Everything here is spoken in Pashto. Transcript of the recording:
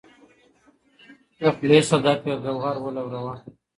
د خولې صدف یې ګوهر ولوراوه